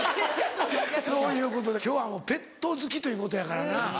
そういうことで今日はもうペット好きということやからな。